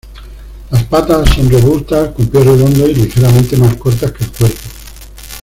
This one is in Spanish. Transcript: Las patas son robustas, con pies redondos y ligeramente más cortas que el cuerpo.